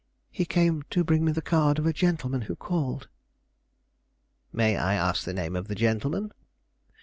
"He came to bring me the card of a gentleman who called." "May I ask the name of the gentleman?"